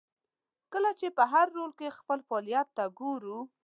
کله چې په هر رول کې خپل فعالیت ته وګورو.